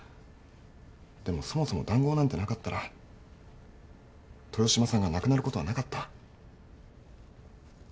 でもそもそも談合なんてなかったら豊島さんが亡くなることはなかった。